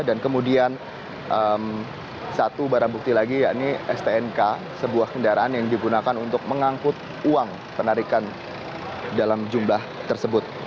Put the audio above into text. dan kemudian satu barang bukti lagi yakni stnk sebuah kendaraan yang digunakan untuk mengangkut uang penarikan dalam jumlah tersebut